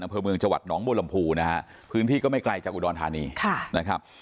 อำเภอเมืองจังหวัดหนองบัวลำพูนะฮะพื้นที่ก็ไม่ไกลจากอุดรธานีค่ะนะครับ